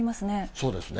そうですね。